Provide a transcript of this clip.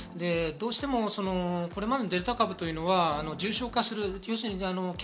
どうしてもこれまでのデルタ株というのは重症化する。